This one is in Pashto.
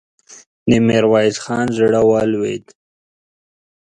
د ميرويس خان زړه ولوېد.